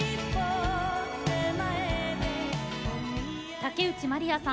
竹内まりやさん